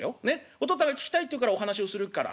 お父っつぁんが聞きたいっていうからお話しをするからねっ。